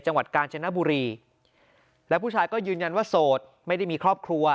จังหวัดกาญจนบุรีและผู้ชายก็ยืนยันว่าโสดไม่ได้มีครอบครัว